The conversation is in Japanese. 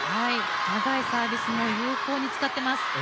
長いサービスも有効に使っています。